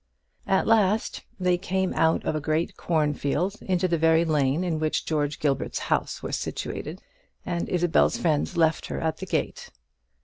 At last they came out of a great corn field into the very lane in which George Gilbert's house was situated; and Isabel's friends left her at the gate.